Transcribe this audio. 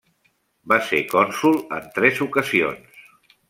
Va ser cònsol en tres ocasions.